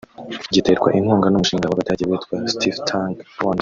giterwa inkunga n’umushinga w’Abadage witwa Stiftung Rwanda